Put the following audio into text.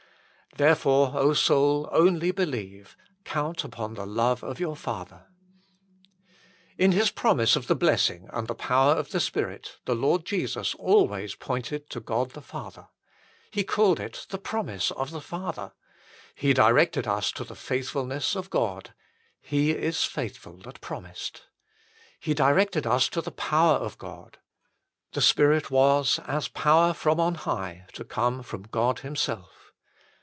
Therefore, Soul, " only believe ": count upon THE LOVE OF YOUE FATHER. In His promise of the blessing and the power of the Spirit the Lord Jesus always pointed to HOW FULLY IT IS ASSURED TO US BY GOD 151 God the Father. He called it " the promise of the Father." 1 He directed us to the faithfulness of God :" He is faithful that promised." 2 He directed us to the power of God : the Spirit was, as power from on high, to come from God Himself.